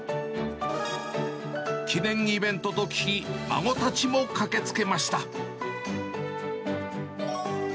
記念イベントと聞き、孫たちも駆けつけました。